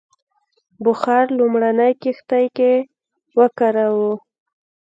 بخار لومړنۍ کښتۍ کې وکاراوه.